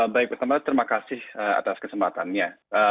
baik pertama terima kasih atas kesempatannya